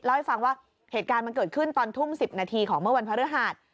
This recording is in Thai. ให้ฟังว่าเหตุการณ์มันเกิดขึ้นตอนทุ่ม๑๐นาทีของเมื่อวันพระฤหัส